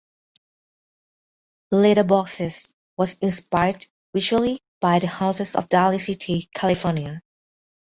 "Little Boxes" was inspired visually by the houses of Daly City, California.